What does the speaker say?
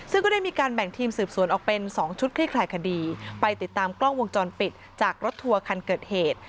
ซึ่งก็ได้มีการแบ่งทีมสืบสวนออกเป็น๒ชุดคลี่คลายคดีไปติดตามกล้องวงจรปิดจากรถทัวร์คันเกิดเหตุ